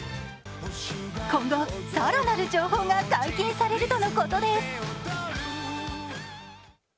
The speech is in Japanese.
今後、更なる情報が解禁されるとのことです。